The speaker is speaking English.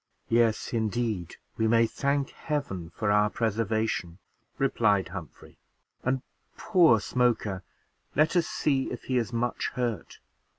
"Yes, indeed, we may thank Heaven for our preservation," replied Humphrey; "and poor Smoker! let us see if he is much hurt."